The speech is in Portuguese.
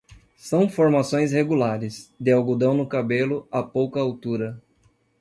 São formações regulares, de algodão no cabelo, a pouca altura.